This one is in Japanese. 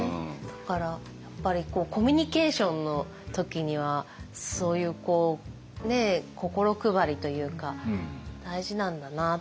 だからやっぱりコミュニケーションの時にはそういう心配りというか大事なんだなって改めて。